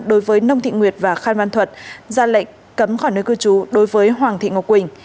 đối với nông thị nguyệt và phan văn thuật ra lệnh cấm khỏi nơi cư trú đối với hoàng thị ngọc quỳnh